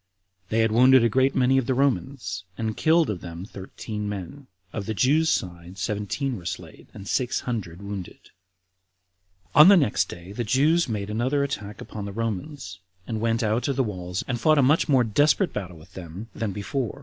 They had wounded a great many of the Romans, and killed of them thirteen men; of the Jews' side seventeen were slain, and six hundred wounded. 6. On the next day the Jews made another attack upon the Romans, and went out of the walls and fought a much more desperate battle with them than before.